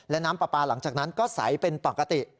และน้ำปลาปลาหลังจากนั้นก็ใสเป็นปกติ